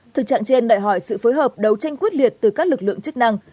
thực trạng trên đòi hỏi sự phối hợp đấu tranh quyết liệt từ các lực lượng chức năng